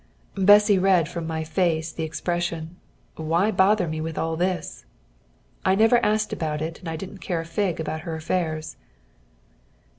Bessy read from my face the expression, "Why bother me with all this?" I never asked about it, and I didn't care a fig about her affairs.